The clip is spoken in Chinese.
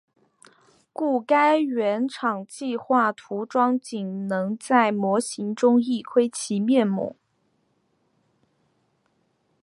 故该原厂计画涂装仅能在模型中一窥其面目。